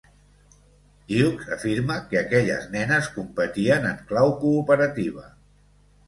Hughes afirma que aquelles nenes competien "en clau cooperativa".